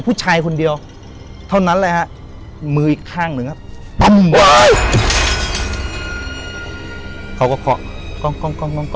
ผู้ชายคนเดียวเท่านั้นเลยฮะมืออีกข้างหนึ่งครับ